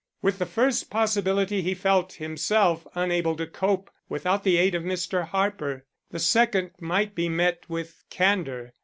With the first possibility he felt himself unable to cope without the aid of Mr. Harper; the second might be met with candor.